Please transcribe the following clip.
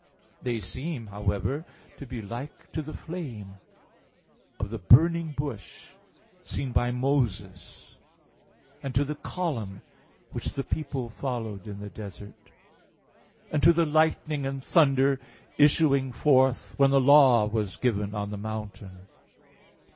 They seem, however, to be like to the flame of the burning bush seen by Moses and to the column which the people followed in the desert, and to the lightning and thunder issuing forth when the law was given on the mountain.